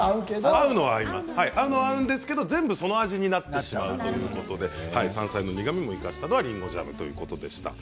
合うのは合うんですけど全部その味になってしまうということで山菜の苦みを生かしたのはりんごジャムでした。